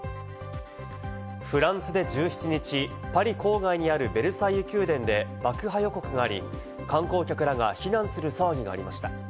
フランスで１７日、パリ郊外にあるベルサイユ宮殿で爆破予告があり、観光客らが避難する騒ぎがありました。